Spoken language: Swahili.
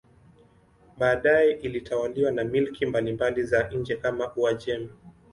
Baadaye ilitawaliwa na milki mbalimbali za nje kama Uajemi.